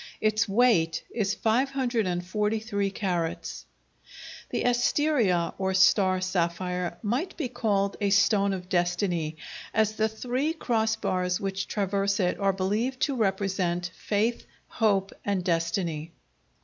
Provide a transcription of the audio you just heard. Its weight is 543 carats. The asteria, or star sapphire, might be called a "Stone of Destiny," as the three cross bars which traverse it are believed to represent Faith, Hope, and Destiny.